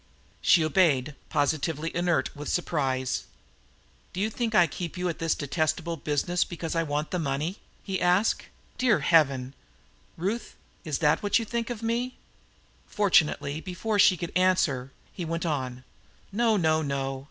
She obeyed, positively inert with surprise. "Do you think I keep you at this detestable business because I want the money?" he asked. "Dear Heaven! Ruth, is that what you think of me?" Fortunately, before she could answer, he went on: "No, no, no!